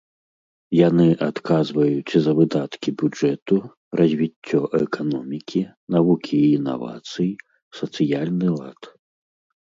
Яны адказваюць за выдаткі бюджэту, развіццё эканомікі, навукі і інавацый, сацыяльны лад.